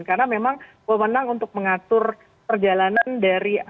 karena memang bapak menang untuk mengatur perjalanan dari